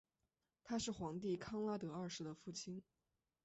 他是皇帝康拉德二世的父亲。